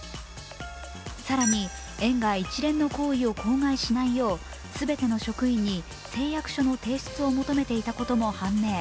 更に園が一連の行為を口外しないよう全ての職員に誓約書の提出を求めていたことも判明。